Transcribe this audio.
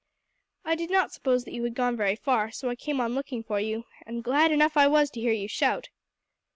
I did not suppose that you had gone very far, so I came on looking for you, and glad enough I was to hear your shout."